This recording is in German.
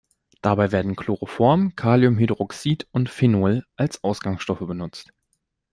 Dabei werden Chloroform, Kaliumhydroxid und Phenol als Ausgangsstoffe benutzt.